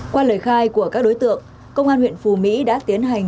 qua lời khai của các đối tượng công an huyện phù mỹ đã tiến hành